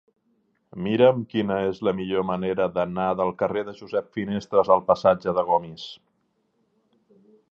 Mira'm quina és la millor manera d'anar del carrer de Josep Finestres al passatge de Gomis.